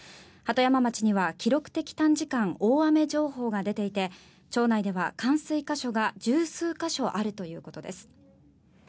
鳩山町には記録的短時間大雨情報が出ていて町内では冠水箇所が十数か所あるということです。